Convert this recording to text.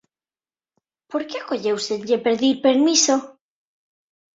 ¿Por que a colleu sen lle pedir permiso?